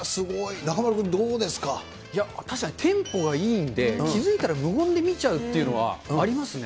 いや、確かにテンポがいいんで、気付いたら無言で見ちゃうというのはありますね。